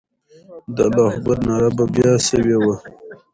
د الله اکبر ناره به بیا سوې وه.